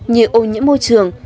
như ô nhiễm môi trường